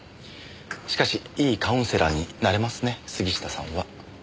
しかしいいカウンセラーになれますね杉下さんは。